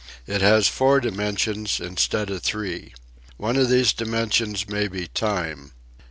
It has four dimensions instead of three. One of these dimensions may be time.